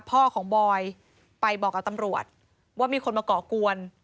พ่อของบอยไปบอกกับตำรวจว่ามีคนมาก่อกวน